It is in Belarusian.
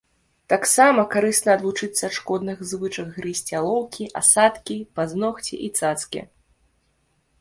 Таксама карысна адвучыцца ад шкодных звычак грызці алоўкі, асадкі, пазногці і цацкі.